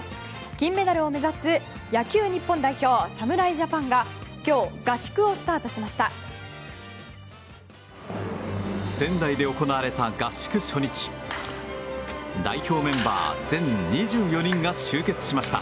金メダルを目指す野球日本代表侍ジャパンが今日、合宿をスタートしました。